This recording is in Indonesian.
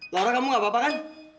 laura kamu gak apa apa kan